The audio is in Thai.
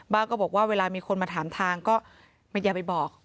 ก็บอกว่าเวลามีคนมาถามทางก็อย่าไปบอก